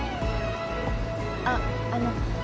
あっあの。